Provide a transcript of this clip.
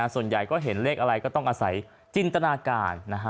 ส่วนใหญ่ก็เห็นเลขอะไรก็ต้องอาศัยจินตนาการ